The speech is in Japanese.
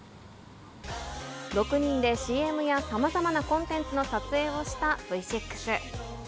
６人でＣＭやさまざまなコンテンツの撮影をしたＶ６。